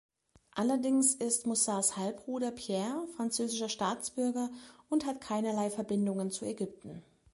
Allerdings ist Moussas Halbbruder Pierre französischer Staatsbürger und hat keinerlei Verbindungen zu Ägypten.